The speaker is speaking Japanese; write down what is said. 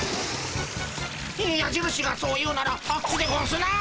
やじるしがそう言うならあっちでゴンスな。